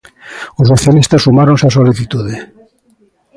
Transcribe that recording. Os socialistas sumáronse á solicitude.